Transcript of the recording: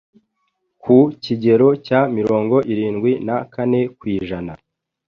ku kigero cya mirongo irindwi na kane kwijana